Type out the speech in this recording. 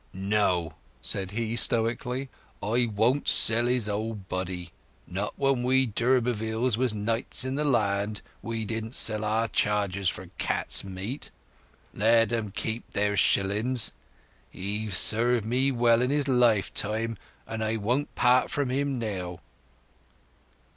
"No," said he stoically, "I won't sell his old body. When we d'Urbervilles was knights in the land, we didn't sell our chargers for cat's meat. Let 'em keep their shillings! He've served me well in his lifetime, and I won't part from him now."